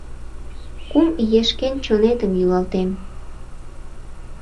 Кум иешкен чонетым йӱлатем